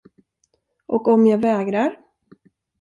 Och om jag vägrar?